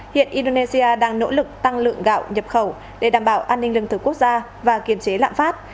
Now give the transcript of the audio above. hiện indonesia đang nỗ lực tăng lượng gạo nhập khẩu để đảm bảo an ninh lương thực quốc gia và kiềm chế lạm phát